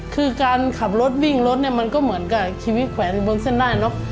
คือการขับรถวิ่งรถเนี่ยมันก็เหมือนกับชีวิตแขวนอยู่บนเส้นได้เนอะ